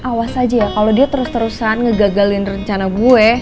awas aja ya kalau dia terus terusan ngegagalin rencana gue